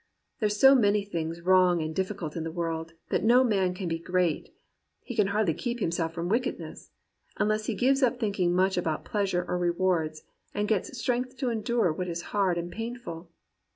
There are so many things wrong and diffi cult in the world, that no man can be great — he can hardly keep himself from wickedness — unless he gives up thinking much about pleasure or rewards, and gets strength to endure what is hard and pain ful.